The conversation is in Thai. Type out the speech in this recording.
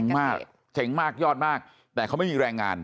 มากเจ๋งมากยอดมากแต่เขาไม่มีแรงงาน